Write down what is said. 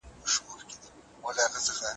سترګو ته ارام ورکړه